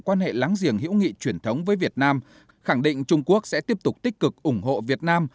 quan hệ láng giềng hữu nghị truyền thống với việt nam khẳng định trung quốc sẽ tiếp tục tích cực ủng hộ việt nam